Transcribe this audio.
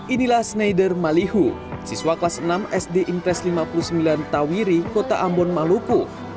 inilah snaider malihu siswa kelas enam sd impres lima puluh sembilan tawiri kota ambon maluku